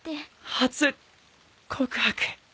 初告白！？